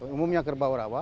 umumnya kerbau rawa